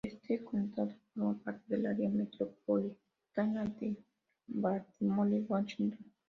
Este condado forma parte del Área metropolitana de Baltimore-Washington.